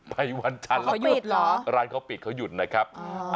ไปวันจันทร์ร้านเขาปิดเขาหยุดนะครับ